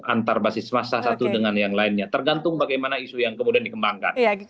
antar basis masa satu dengan yang lainnya tergantung bagaimana isu yang kemudian dikembangkan